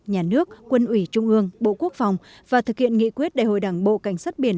nhà nước quân ủy trung ương bộ quốc phòng và thực hiện nghị quyết đại hội đảng bộ cảnh sát biển